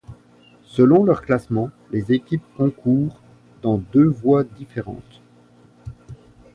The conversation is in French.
Selon leur classement, les équipes concourent dans deux voies différentes.